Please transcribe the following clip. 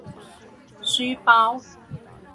书包